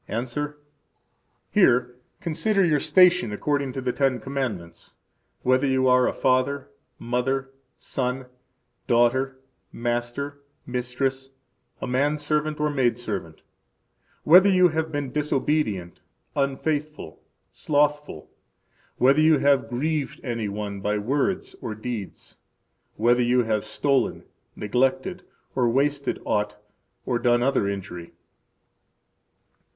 –Answer: Here consider your station according to the Ten Commandments, whether you are a father, mother, son, daughter, master, mistress, a man servant or maid servant; whether you have been disobedient, unfaithful, slothful; whether you have grieved any one by words or deeds; whether you have stolen, neglected, or wasted aught, or done other injury.